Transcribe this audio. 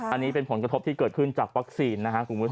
อันนี้เป็นผลกระทบที่เกิดขึ้นจากวัคซีน